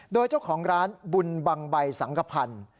โดยเจ้าของร้านบุญบังใบสังกภัณฑ์